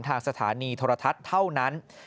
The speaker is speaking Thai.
ทางสถานีโทรทัศน์เท่านั้น